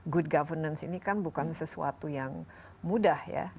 good governance ini kan bukan sesuatu yang mudah ya